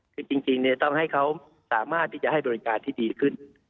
คือจริงต้องให้เขาสามารถที่จะให้บริการที่ดีขึ้น